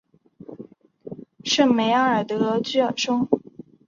圣梅阿尔德居尔松。